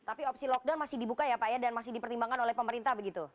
tapi opsi lockdown masih dibuka ya pak ya dan masih dipertimbangkan oleh pemerintah begitu